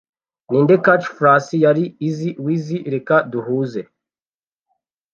Ninde Catchphrase Yari "Izzy Wizzy Reka duhuze"?